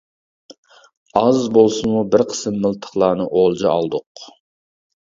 ئاز بولسىمۇ بىر قىسىم مىلتىقلارنى ئولجا ئالدۇق.